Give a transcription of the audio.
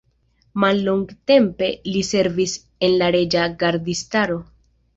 Mallongtempe li servis en la reĝa gardistaro.